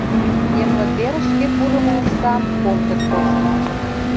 Эмлымверышке пурымо омсам комдык почмо.